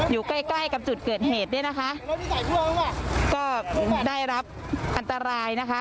อยู่ใกล้ใกล้กับจุดเกิดเหตุเนี่ยนะคะก็ได้รับอันตรายนะคะ